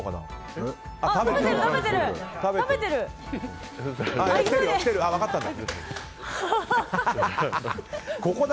きてるよ、分かったんだ。